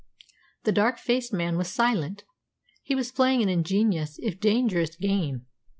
The dark faced man was silent. He was playing an ingenious, if dangerous, game.